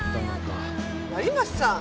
成増さん。